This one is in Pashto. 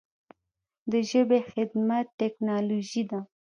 د ژبې خدمت ټکنالوژي ده.